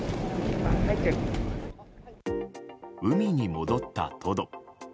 海に戻ったトド。